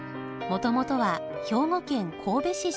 もともとは兵庫県神戸市出身。